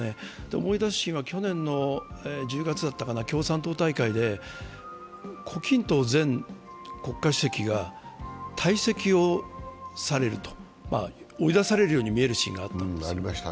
思い出すと去年の１０月だったかな、共産党大会で胡錦涛前国家主席が退席をされる、追い出されるように見えるシーンがあったんです。